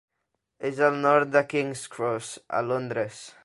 És al nord de King's Cross, a Londres.